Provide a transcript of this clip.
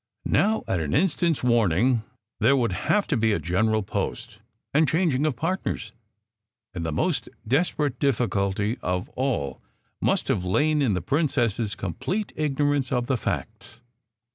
Now, at an instant s warning, there would have to be a general post, and changing of partners; and the most desperate difficulty of all must have lain in the prin cess s complete ignorance of the facts.